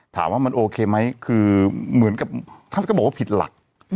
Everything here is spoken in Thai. ถามว่ามันโอเคไหมคือเหมือนกับท่านก็บอกว่าผิดหลัก